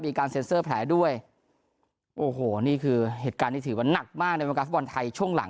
มีการเซ็นเซอร์แผลด้วยโอ้โหนี่คือเหตุการณ์ที่ถือว่านักมากในวงการฟุตบอลไทยช่วงหลัง